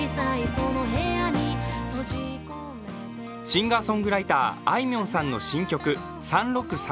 シンガーソングライターあいみょんさんの新曲「３６３６」。